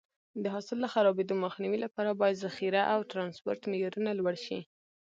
د حاصل د خرابېدو مخنیوي لپاره باید ذخیره او ټرانسپورټ معیارونه لوړ شي.